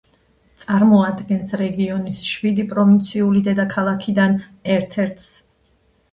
წარმოადგენს რეგიონის შვიდი პროვინციული დედაქალაქიდან ერთ-ერთს.